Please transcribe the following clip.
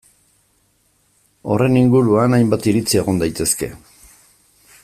Horren inguruan hainbat iritzi egon daitezke.